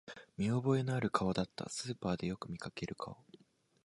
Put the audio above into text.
見覚えのある顔だった、スーパーでよく見かける顔